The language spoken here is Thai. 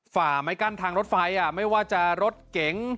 ฝ่าไม้กั้นทางรถไฟไม่ว่าจะรถเก๋ง